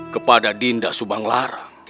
kepada dinda subang lara